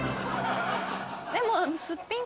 でも。